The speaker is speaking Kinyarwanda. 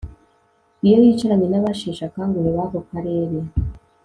iyo yicaranye n'abasheshe akanguhe b'ako karere